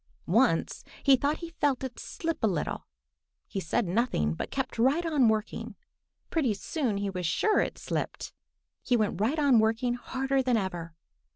Once he thought he felt it slip a little. He said nothing, but kept right on working. Pretty soon he was sure that it slipped. He went right on working harder than ever.